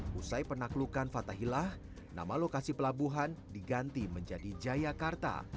pusai penaklukan fathahillah nama lokasi pelabuhan diganti menjadi jayakarta